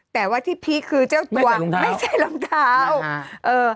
แต่ว่าที่พีคคือเจ้าตัวไม่ใช่รองเท้าเอ่อ